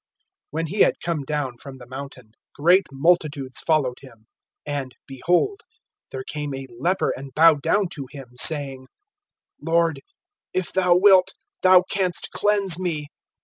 WHEN he had come down from the mountain, great multitudes followed him. (2)And, behold, there came a leper and bowed down to him, saying: Lord, if thou wilt, thou canst cleanse me.